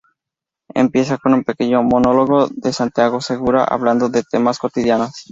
Empieza con un pequeño monólogo de Santiago Segura hablando de temas cotidianos.